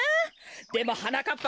でもはなかっ